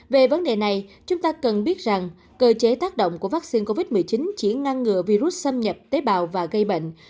về vấn đề này chúng ta cần biết rằng cơ chế tác động của vaccine covid một mươi chín chỉ ngăn ngừa virus xâm nhập tế bào và gây bệnh